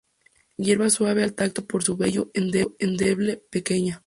Hierba suave al tacto por su vello, endeble, pequeña.